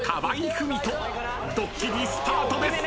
［ドッキリスタートです］